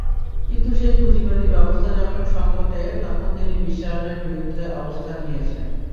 কিন্তু সেই পুঁজিবাদী ব্যবস্থা যখন সংকটে, তখন তিনি বিশ্বায়নের বিরুদ্ধে অবস্থান নিয়েছেন।